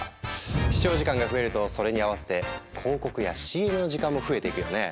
視聴時間が増えるとそれに併せて広告やＣＭの時間も増えていくよね。